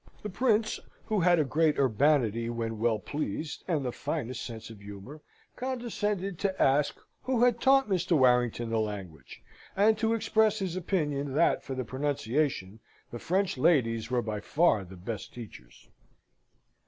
The Prince (who had a great urbanity when well pleased, and the finest sense of humour) condescended to ask who had taught Mr. Warrington the language; and to express his opinion, that, for the pronunciation, the French ladies were by far the best teachers.